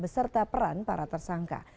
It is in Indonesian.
beserta peran para tersangka